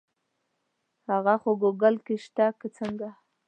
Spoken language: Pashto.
هغه خو ګوګل کې شته که څنګه.